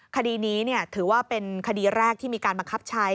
คดีนี้ถือว่าเป็นคดีแรกที่มีการบังคับใช้